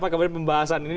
sama kemudian pembahasan ini